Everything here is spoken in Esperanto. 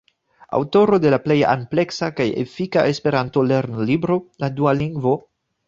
Aŭtoro de la plej ampleksa kaj efika esperanto-lernolibro, "La dua lingvo".